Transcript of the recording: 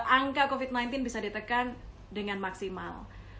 angka covid sembilan belas bisa ditekan dengan maksimal